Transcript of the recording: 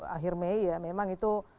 akhir mei ya memang itu